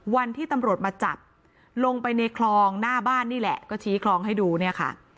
วันที่ตำรวจมาจับลงไปในคลองหน้าบ้านนี่แหละก็ชี้คลองให้ดูเนี่ยค่ะ